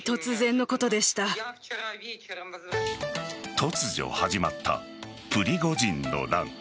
突如始まったプリゴジンの乱。